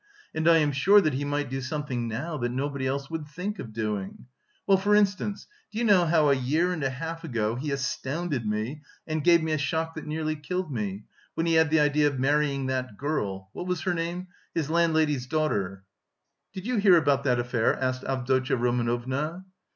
And I am sure that he might do something now that nobody else would think of doing... Well, for instance, do you know how a year and a half ago he astounded me and gave me a shock that nearly killed me, when he had the idea of marrying that girl what was her name his landlady's daughter?" "Did you hear about that affair?" asked Avdotya Romanovna.